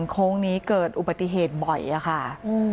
โค้งนี้เกิดอุบัติเหตุบ่อยอะค่ะ